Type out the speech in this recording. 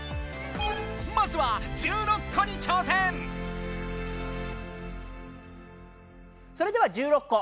まずはそれでは１６個。